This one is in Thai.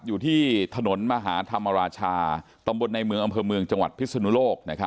อยู่ที่ถนนมหาธรรมราชาตำบลในเมืองอำเภอเมืองจังหวัดพิศนุโลก